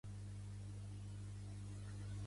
Es diu Moussa: ema, o, u, essa, essa, a.